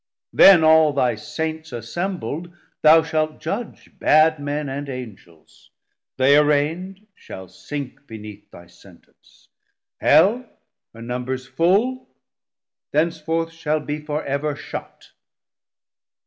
Then all thy Saints assembl'd, thou shalt judge 330 Bad men and Angels, they arraignd shall sink Beneath thy Sentence; Hell, her numbers full, Thenceforth shall be for ever shut.